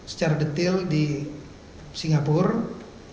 secara detail di singapura